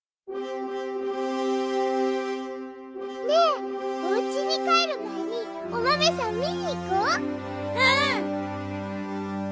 ねえおうちにかえるまえにおまめさんみにいこう！